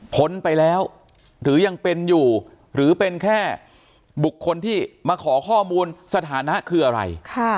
พ้นไปแล้วหรือยังเป็นอยู่หรือเป็นแค่บุคคลที่มาขอข้อมูลสถานะคืออะไร